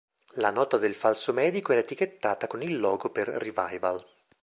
La nota del falso medico era etichettata con il logo per "Revival".